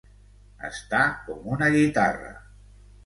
Estar com una guitarra.